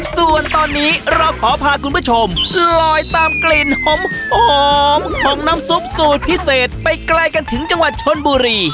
ส่วนตอนนี้เราขอพาคุณผู้ชมลอยตามกลิ่นหอมของน้ำซุปสูตรพิเศษไปไกลกันถึงจังหวัดชนบุรี